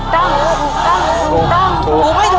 ถูกตั้งถูกตั้งถูกตั้งถูกไม่ถูก